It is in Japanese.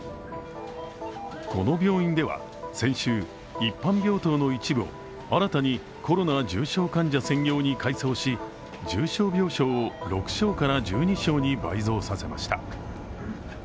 この病院では先週一般病棟の一部を、新たにコロナ重症患者専用に改装し、重症病床を６床から１２床に倍増させました。